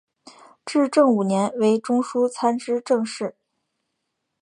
至正五年为中书参知政事。